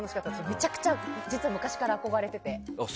めちゃくちゃ実は昔から憧れてて。